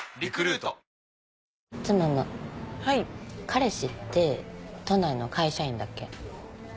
彼氏って都内の会社員だっけ？